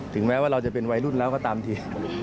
แม้ว่าเราจะเป็นวัยรุ่นแล้วก็ตามที